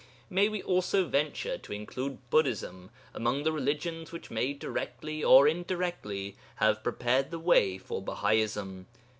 May we also venture to include Buddhism among the religions which may directly or indirectly have prepared the way for Bahaism?